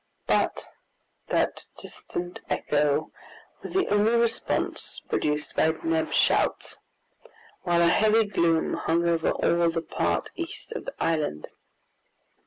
But that distant echo was the only response produced by Neb's shouts, while a heavy gloom hung over all the part east of the island.